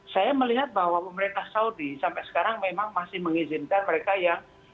saya melihat bahwa pemerintah saudi sampai sekarang memang masih mengizinkan mereka yang